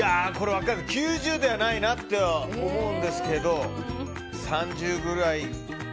９０度じゃないなと思うんですけど３０ぐらい。